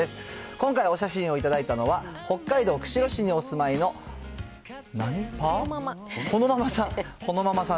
今回、お写真を頂いたのは北海道釧路市にお住まいの、ほのママさん。